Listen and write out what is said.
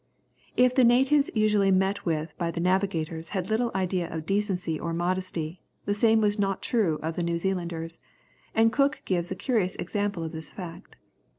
If the natives usually met with by the navigators had little idea of decency or modesty, the same was not true of the New Zealanders, and Cook gives a curious example of this fact.